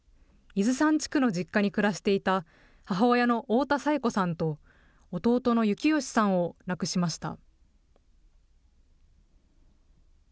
伊豆山地区の実家に暮らしていた母親の太田佐江子さんと、弟の幸義さんを亡くしました。